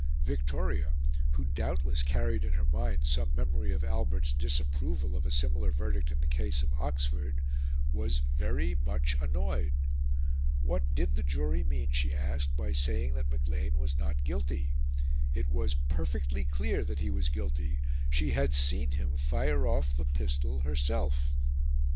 Victoria, who doubtless carried in her mind some memory of Albert's disapproval of a similar verdict in the case of Oxford, was very much annoyed. What did the jury mean, she asked, by saying that Maclean was not guilty? It was perfectly clear that he was guilty she had seen him fire off the pistol herself.